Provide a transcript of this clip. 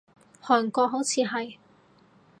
韓國，好似係